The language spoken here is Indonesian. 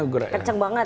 kenceng banget gitu ya